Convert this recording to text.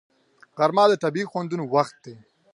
غرمه د طبیعي خوندونو وخت دی